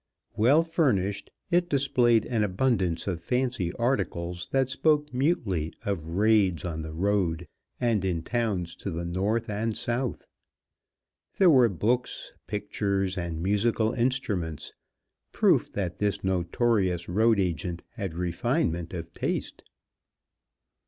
Well furnished, it displayed an abundance of fancy articles that spoke mutely of raids on the road and in towns to the north and south. There were books, pictures, and musical instruments, proof that this notorious road agent had refinement of taste.